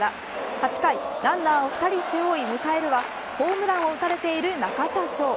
８回、ランナーを２人背負い迎えるはホームランを打たれている中田翔。